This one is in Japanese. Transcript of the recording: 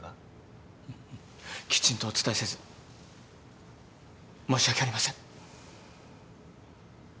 きちんとお伝えせず申し訳ありません。